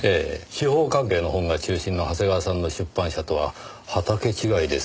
司法関係の本が中心の長谷川さんの出版社とは畑違いですよね。